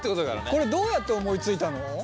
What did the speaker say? これどうやって思いついたの？